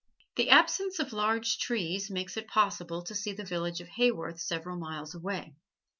The absence of large trees makes it possible to see the village of Haworth several miles away.